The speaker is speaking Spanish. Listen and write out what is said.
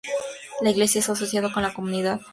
La iglesia es asociada con la comunidad checa de Viena.